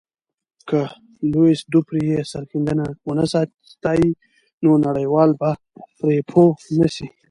که لويس دوپري یې سرښندنه ونه ستایي، نو نړیوال به پرې پوه نه سي.